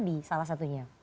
di mana ini yang terjadi